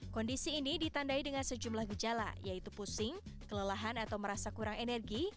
kondisi ini ditandai dengan sejumlah gejala yaitu pusing kelelahan atau merasa kurang energi